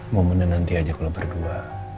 momennya nanti aja kalau berdua